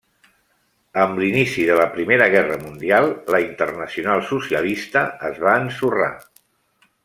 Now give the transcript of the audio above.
Amb l'inici de la Primera Guerra Mundial, la Internacional Socialista es va ensorrar.